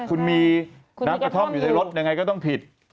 คุณมีน้ำกระท่อมอยู่ในรถยังไงก็ต้องผิด